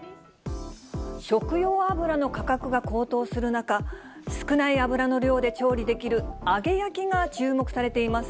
食用油の価格が高騰する中、少ない油の量で調理できる揚げ焼きが注目されています。